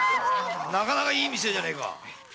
なかなかいい店じゃねぇか。